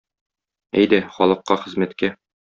Әйдә, халыкка хезмәткә!